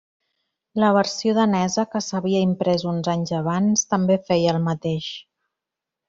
La versió danesa, que s'havia imprès uns anys abans, també feia el mateix.